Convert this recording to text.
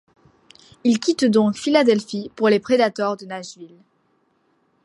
Il quitte donc Philadelphie pour les Predators de Nashville.